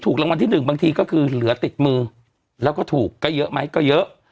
ถูกรางวัลที่หนึ่งบางทีก็คือเหลือติดมือแล้วก็ถูกก็เยอะ